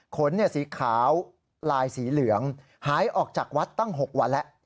ขนสีขาวลายสีเหลืองหายออกจากวัดตั้ง๖วันแล้ว